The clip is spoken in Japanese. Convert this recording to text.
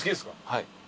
はい。